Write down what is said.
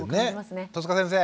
戸塚先生！